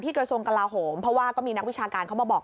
กระทรวงกลาโหมเพราะว่าก็มีนักวิชาการเขามาบอก